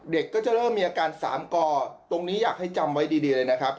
ก็จะเริ่มมีอาการสามก่อตรงนี้อยากให้จำไว้ดีเลยนะครับ